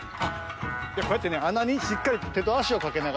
こうやってねあなにしっかりとてとあしをかけながらね